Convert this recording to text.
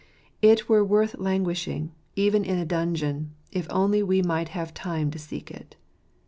It were worth languishing, even in a dungeon, if only we might have time to seek it.